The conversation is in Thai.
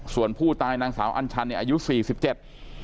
ส่วนผู้ตายนางสาวอัญชันเนี่ยอายุสี่สิบเจ็ด